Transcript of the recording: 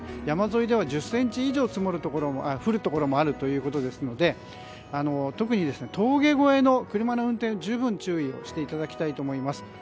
山沿いでは１０ｃｍ以上降るところもあるということですので特に峠越えの車の運転は十分注意をしていただきたいと思います。